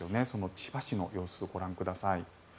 千葉市の様子をご覧ください。